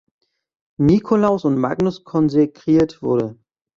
Nikolaus und Magnus konsekriert wurde.